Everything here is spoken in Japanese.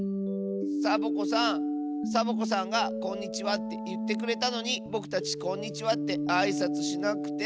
サボ子さんサボ子さんが「こんにちは」っていってくれたのにぼくたち「こんにちは」ってあいさつしなくて。